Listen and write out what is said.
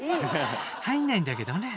入んないんだけどね。